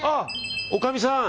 おかみさん！